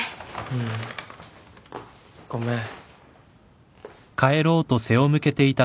うん。ごめん。